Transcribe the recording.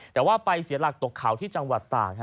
แต่ว่าไปเสียหลักตกเขาที่จังหวัดตาก